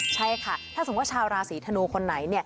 ใช่ค่ะถ้าสมมุติชาวราศีธนูคนไหน